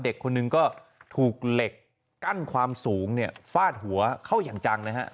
เด็กคนหนึ่งก็ถูกเหล็กกั้นความสูงเนี่ยฟาดหัวเข้าอย่างจังนะฮะ